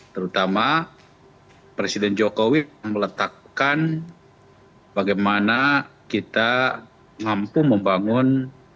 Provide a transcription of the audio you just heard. terutama presiden jokowi meletakkan bagaimana kita mampu membangun